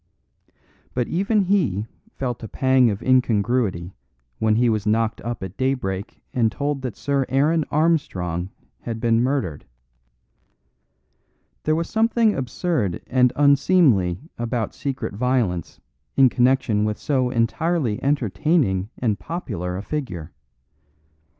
But even he felt a pang of incongruity when he was knocked up at daybreak and told that Sir Aaron Armstrong had been murdered. There was something absurd and unseemly about secret violence in connection with so entirely entertaining and popular a figure.